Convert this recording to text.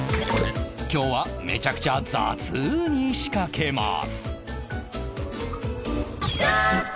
今日はめちゃくちゃ雑に仕掛けます